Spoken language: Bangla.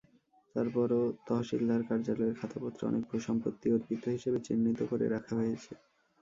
তারপরও তহশিলদার কার্যালয়ের খাতাপত্রে অনেক ভূসম্পত্তি অর্পিত হিসেবে চিহ্নিত করে রাখা হয়েছে।